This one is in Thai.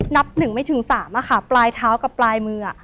นับถึงไม่ถึงสามอ่ะค่ะปลายเท้ากับปลายมืออ่ะ